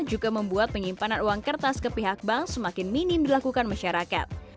juga membuat penyimpanan uang kertas ke pihak bank semakin minim dilakukan masyarakat